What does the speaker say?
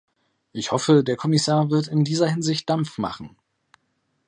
Ich hoffe, der Kommissar wird in dieser Hinsicht Dampf machen.